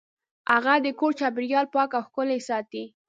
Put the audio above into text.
هغه د کور چاپیریال پاک او ښکلی ساته.